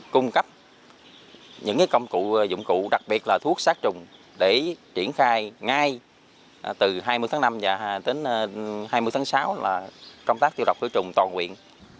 cung cấp những công cụ dụng cụ đặc biệt là thuốc sát trùng để triển khai ngay từ hai mươi tháng năm và đến hai mươi tháng sáu là công tác tiêu độc khử trùng toàn quyện